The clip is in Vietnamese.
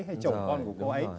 hay chồng con của cô ấy